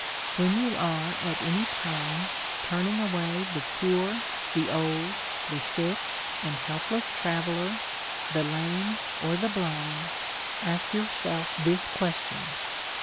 When you are at any time turning away the poor, the old, the sick and helpless traveller, the lame or the blind, ask yourself this question.